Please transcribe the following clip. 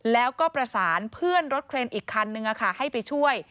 แล้วก็ประสานเพื่อนรถเครนอีกคันนึงให้ไปช่วย